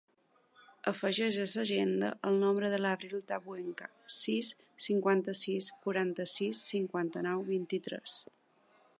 Afegeix a l'agenda el número de l'Avril Tabuenca: sis, cinquanta-sis, quaranta-sis, cinquanta-nou, vint-i-tres.